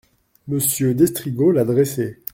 Monsieur d'Estrigaud l'a dressée.